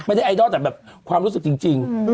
ไม่ใช่ไอดอลแต่ความรู้สึกจริง